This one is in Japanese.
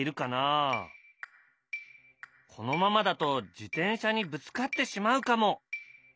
このままだと自転車にぶつかってしまうかも？